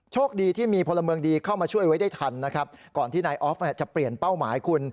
โชคดีที่มีพลเมืองดีเข้ามาช่วยไว้ได้ทันนะครับก่อนที่นายออฟจะเปลี่ยนเป้าหมายคุณ